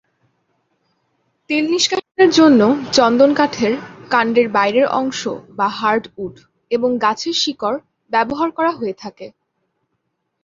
তেল নিষ্কাশনের জন্য চন্দন কাঠের কান্ডের বাইরের অংশ বা হার্ড উড এবং গাছের শিকড় ব্যবহার করা হয়ে থাকে।